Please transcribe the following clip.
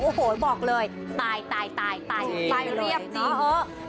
โอ้โหบอกเลยตายตายเรียบจริง